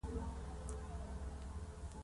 ذرې د تودوخې په لوړېدو تېز حرکت کوي.